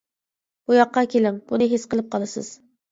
بۇياققا كېلىڭ، بۇنى ھېس قىلىپ قالىسىز.